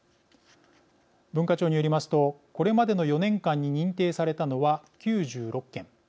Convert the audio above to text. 文化庁によりますとこれまでの４年間に認定されたのは、９６件。